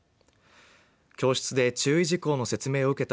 教室で注意事項の説明を受けた